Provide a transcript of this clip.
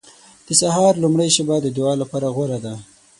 • د سهار لومړۍ شېبه د دعا لپاره غوره ده.